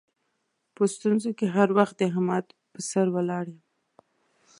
په ستونزو کې هر وخت د احمد پر سر ولاړ یم.